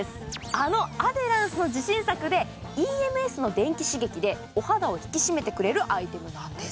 あのアデランスの自信作でＥＭＳの電気刺激でお肌を引き締めてくれるアイテムなんです。